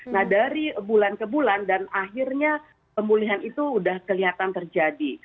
nah dari bulan ke bulan dan akhirnya pemulihan itu sudah kelihatan terjadi